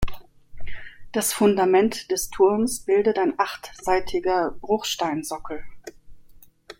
Das Fundament des Turms bildet ein achtseitiger Bruchsteinsockel.